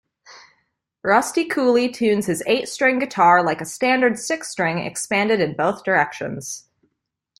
Rusty Cooley tunes his eight-string guitar like a standard six-string expanded in both directions.